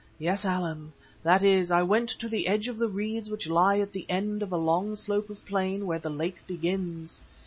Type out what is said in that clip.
"Yes, Allan. That is, I went to the edge of the reeds which lie at the end of a long slope of plain, where the lake begins.